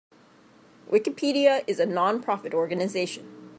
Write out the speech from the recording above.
Wikipedia is a non-profit organization.